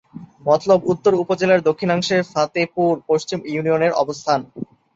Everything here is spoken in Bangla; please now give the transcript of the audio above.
মতলব উত্তর উপজেলার দক্ষিণাংশে ফতেপুর পশ্চিম ইউনিয়নের অবস্থান।